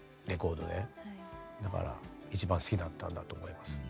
だから一番好きだったんだと思います。